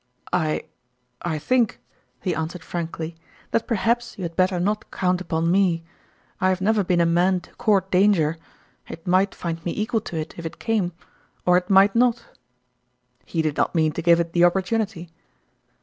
" I I think," he answered frankly, " that perhaps you had better not count upon me. I have never been a man to court danger ; it might find me equal to it if it came or it might not." He did not mean to give it the oppor tunity.